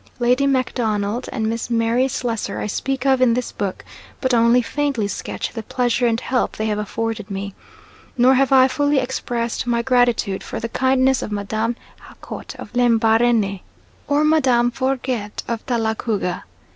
Lady MacDonald and Miss Mary Slessor I speak of in this book, but only faintly sketch the pleasure and help they have afforded me; nor have I fully expressed my gratitude for the kindness of Madame Jacot of Lembarene, or Madame Forget of Talagouga.